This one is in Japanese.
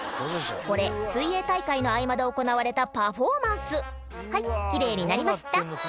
これ水泳大会の合間で行われたパフォーマンスはい奇麗になりました